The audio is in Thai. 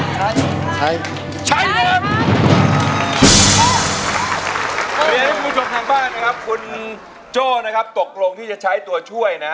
ใช้ทุกทางบ้านครับคุณโจ้นะครับตกลงที่จะใช้ตัวช่วยนะ